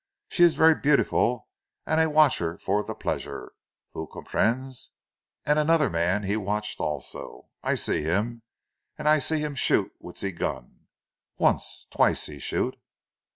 "She is ver' beautiful; an' I watch her for zee pleasure, vous comprenez? And anoder man he watched also. I see him, an' I see him shoot with zee gun once, twice he shoot."